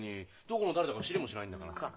どこの誰だか知りもしないんだからさ。